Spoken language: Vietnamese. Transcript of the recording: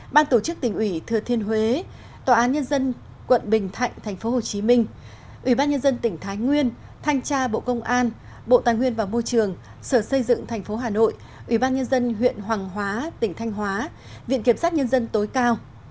ban tổ chức tỉnh ủy thừa thiên huế tòa án nhân dân quận bình thạnh tp hcm ủy ban nhân dân tỉnh thái nguyên thanh tra bộ công an bộ tài nguyên và môi trường sở xây dựng tp hà nội ủy ban nhân dân huyện hoàng hóa tỉnh thanh hóa viện kiểm sát nhân dân tối cao